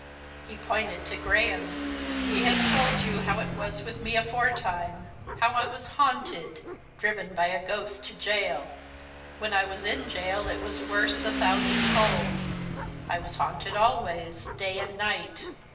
He pointed to Graham. "He has told you how it was with me aforetime; how I was haunted driven by a ghost to gaol. When I was in gaol it was worse a thousandfold I was haunted, always, day and night.